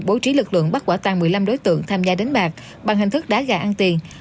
bố trí lực lượng bắt quả tan một mươi năm đối tượng tham gia đánh bạc bằng hình thức đá gà ăn tiền